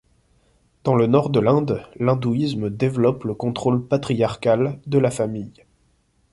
Dans le nord de l'Inde, l'hindouisme développe le contrôle patriarcal de la famille.